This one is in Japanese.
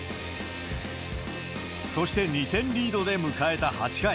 そして、２点リードで迎えた８回。